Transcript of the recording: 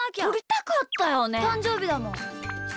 たんじょうびだもん。